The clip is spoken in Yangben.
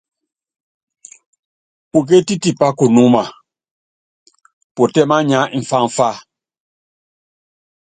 Pukétí tipá kunúma putɛ́ mánya mfamfa.